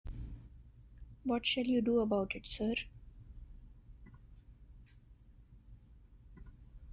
What shall you do about it, sir?